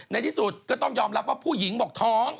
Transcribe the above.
ในที่สุดก็ต้องยอมรับว่าผู้หญิงบอกท้อง